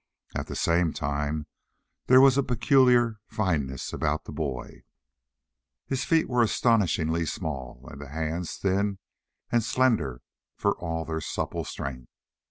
At the same time there was a peculiar fineness about the boy. His feet were astonishingly small and the hands thin and slender for all their supple strength.